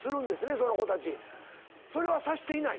その子たちそれはさせていない？